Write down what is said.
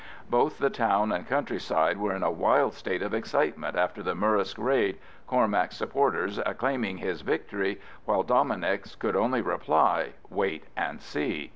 Both the town and countryside were in a wild state of excitement after the Murrisk raid, Cormac's supporters acclaiming his victory, while Dominic's could only reply, "Wait and see."